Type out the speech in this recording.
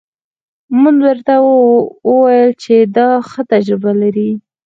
ما درته وويل چې دا ښه تجربه لري.